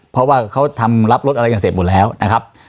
เพราะว่าเขาทำรับรถอะไรกันเสร็จหมดแล้วนะครับ